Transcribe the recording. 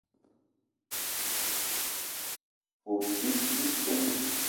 O: djip bitong.